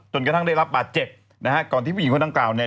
กระทั่งได้รับบาดเจ็บนะฮะก่อนที่ผู้หญิงคนดังกล่าวเนี่ย